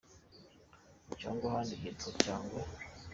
Cyangwa ahandi hitwa Cyagwe